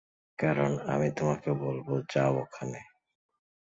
কারন আমি তোমাকে বলবো যাও ওখানে।